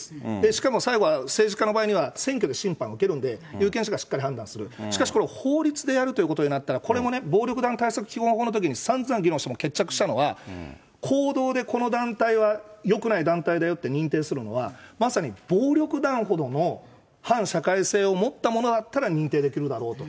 しかも最後は政治家の場合には、選挙で審判を受けるので、有権者がしっかり判断する、しかしこれ、法律でやるということになったら、これもね、暴力団対策基本法のときにさんざん議論して決着したのは、行動でこの団体はよくない団体だよって認定するのは、まさに暴力団ほどの反社会性を持ったものだったら認定できるだろうと。